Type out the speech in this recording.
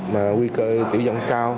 mà nguy cơ tử vong cao